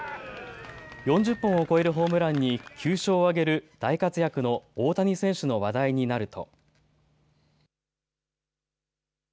４０本を超えるホームランに９勝を挙げる大活躍の大谷選手の話題になると。